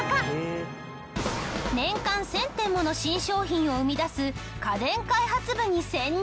年間１０００点もの新商品を生み出す家電開発部に潜入！